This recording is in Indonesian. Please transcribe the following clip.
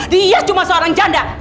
dia cuma seorang janda